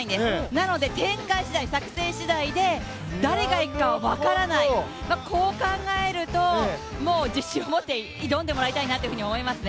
なので展開次第、作戦次第で誰が行くかは分からない、こう考えると、自信を持って挑んでもらいたいと思いますね。